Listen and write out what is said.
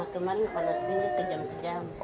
karena kemarin pada segini kejam kejam